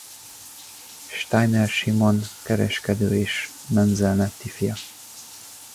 Steiner Simon kereskedő és Menzel Netti fia.